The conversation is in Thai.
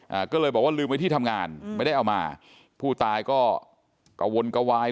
อ่าก็เลยบอกว่าลืมไว้ที่ทำงานอืมไม่ได้เอามาผู้ตายก็กระวนกระวาย